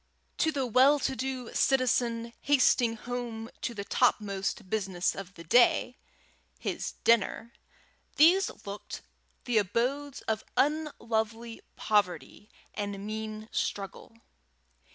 To the well to do citizen hastening home to the topmost business of the day, his dinner, these looked the abodes of unlovely poverty and mean struggle.